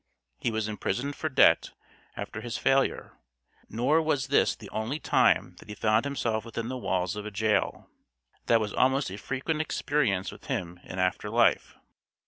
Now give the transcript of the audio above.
He was imprisoned for debt after his failure; nor was this the only time that he found himself within the walls of a jail. That was almost a frequent experience with him in after life.